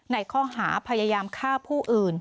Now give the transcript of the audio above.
ในข้อหาพยายามฆ่าผู้อื่น